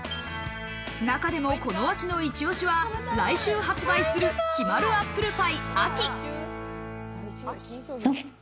中でもこの秋のイチ押しは、来週発売する「陽まるアップルパイ・秋」。